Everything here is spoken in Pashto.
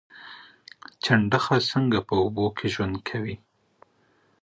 چنډخه څنګه په اوبو کې ژوند کوي؟